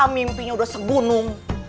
mimpinya udah segunung